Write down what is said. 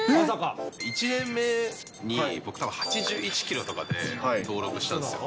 １年目に、僕、たぶん８１キロとかで登録したんですよ。